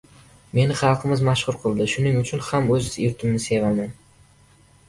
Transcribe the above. Meni xalqimiz mashhur qildi, shuning uchun ham o‘z yurtimni sevaman.